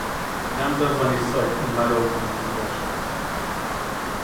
نەمدەزانی سەگ مەلەوانێکی باشە.